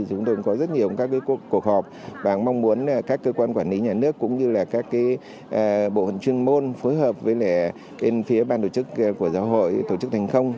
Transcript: chúng tôi có rất nhiều các cuộc họp và mong muốn các cơ quan quản lý nhà nước cũng như các bộ chuyên môn phối hợp với bên phía bàn tổ chức của giáo hội tổ chức thành không